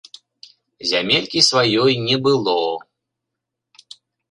Зямелькі сваёй не было.